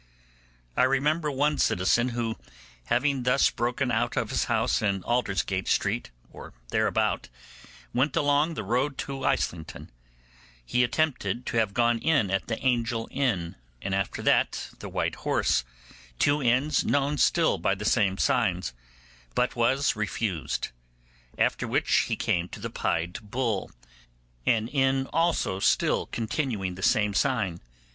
I remember one citizen who, having thus broken out of his house in Aldersgate Street or thereabout, went along the road to Islington; he attempted to have gone in at the Angel Inn, and after that the White Horse, two inns known still by the same signs, but was refused; after which he came to the Pied Bull, an inn also still continuing the same sign.